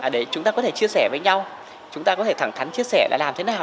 đấy chúng ta có thể chia sẻ với nhau chúng ta có thể thẳng thắn chia sẻ là làm thế nào